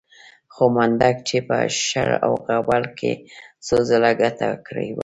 خو منډک چې په شر او غوبل کې څو ځله ګټه کړې وه.